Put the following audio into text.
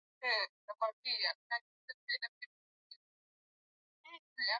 Watu hupata ugonjwa huu kwa kugusa damu na majimaji mengine ya mnyama aliyeathirika wanapomchinja